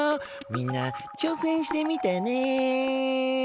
みんなちょうせんしてみてね。